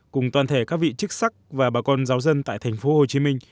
cùng toàn thể các vị chức sắc và bà con giáo dân tại tp hcm